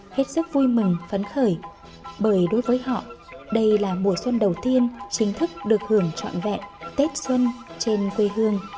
hết sức vui mừng phấn khởi bởi đối với họ đây là mùa xuân đầu tiên chính thức được hưởng trọn vẹn tết xuân trên quê hương